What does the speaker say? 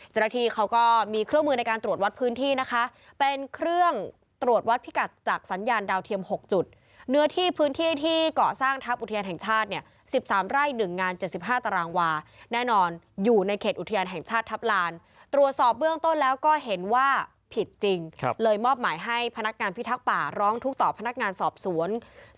เจ้าหน้าที่เขาก็มีเครื่องมือในการตรวจวัดพื้นที่นะคะเป็นเครื่องตรวจวัดพิกัดจากสัญญาณดาวเทียม๖จุดเนื้อที่พื้นที่ที่เกาะสร้างทัพอุทยานแห่งชาติเนี่ย๑๓ไร่๑งาน๗๕ตารางวาแน่นอนอยู่ในเขตอุทยานแห่งชาติทัพลานตรวจสอบเบื้องต้นแล้วก็เห็นว่าผิดจริงเลยมอบหมายให้พนักงานพิทักษ์ป่าร้องทุกข์ต่อพนักงานสอบสวน